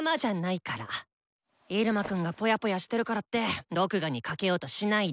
イルマくんがぽやぽやしてるからって毒牙にかけようとしないで。